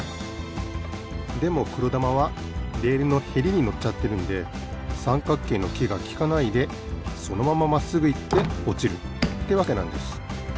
でもくろだまはレールのヘリにのっちゃってるんでさんかっけいのきがきかないでそのまままっすぐいっておちるってわけなんです。